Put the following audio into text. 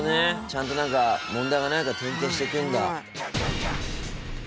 ちゃんと何か問題がないか点検していくんだ。